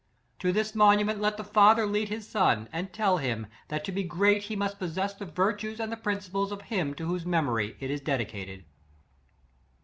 " To this monument let the father lead his son, and tell him, thatto be greathe must possess the virtues and the principles of him to whose memory it is dedicated.